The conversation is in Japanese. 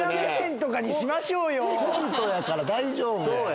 コントやから大丈夫や。